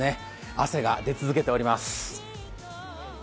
汗が出続けています。